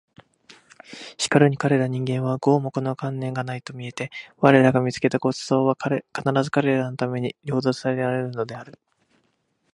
しかるに彼等人間は毫もこの観念がないと見えて我等が見付けた御馳走は必ず彼等のために掠奪せらるるのである